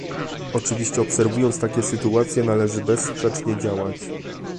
Oczywiście obserwując takie sytuacje należy bezsprzecznie działać